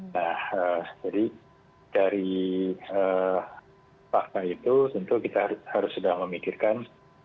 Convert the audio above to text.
nah jadi dari fakta itu tentu kita harus sudah memikirkan